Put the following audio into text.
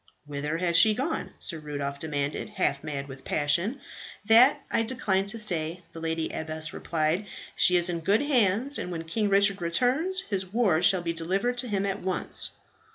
"Whither has she gone?" Sir Rudolph demanded, half mad with passion. "That I decline to say," the lady abbess replied. "She is in good hands; and when King Richard returns, his ward shall be delivered to him at once."